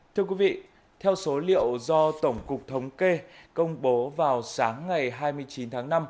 thưa quý vị theo số liệu do tổng cục thống kê công bố vào sáng ngày hai mươi chín tháng năm